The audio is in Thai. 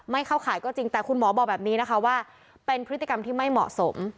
เข้าขายก็จริงแต่คุณหมอบอกแบบนี้นะคะว่าเป็นพฤติกรรมที่ไม่เหมาะสม